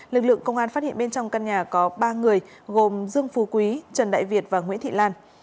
lực lượng công an phát hiện bên trong căn nhà có ba người gồm dương phú quý trần đại việt và nguyễn thị lan